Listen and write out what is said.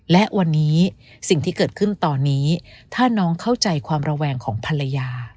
และวันนี้สิ่งที่เกิดขึ้นตอนนี้ถ้าน้องเข้าใจความระแวงของภรรยา